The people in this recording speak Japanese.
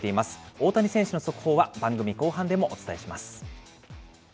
大谷選手の速報は番組後半でもお伝えします。